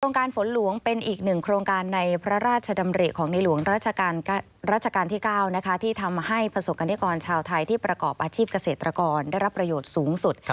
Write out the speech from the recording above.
การฝนหลวงเป็นอีกหนึ่งโครงการในพระราชดำริของในหลวงราชการที่๙ที่ทำให้ประสบกรณิกรชาวไทยที่ประกอบอาชีพเกษตรกรได้รับประโยชน์สูงสุด